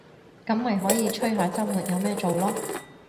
噉咪可以吹下週末有咩做囉